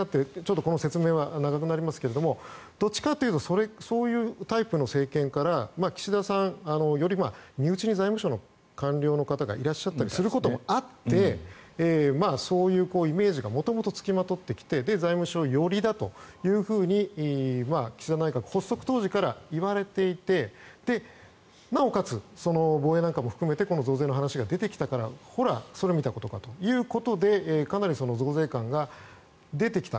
この説明は長くなりますがどっちかというとそういうタイプの政権から身内に官僚がいらっしゃる影響もあってそういうイメージが元々付きまとっていて財務省寄りだと岸田内閣発足当時から言われていてなおかつ、防衛なんかも含めてこの増税の話が出てきたからそれ見たことかとかなり増税感が出てきた。